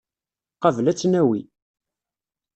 Qabel ad tt-nawi.